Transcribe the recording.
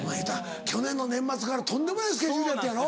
去年の年末からとんでもないスケジュールやったやろ？